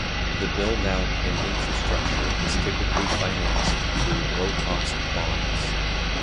The build-out and infrastructure is typically financed through low-cost bonds.